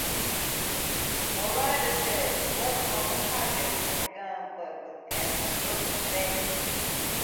Miranda said work on the project had begun but was at an early stage.